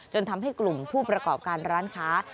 ทำให้กลุ่มผู้ประกอบการร้านค้า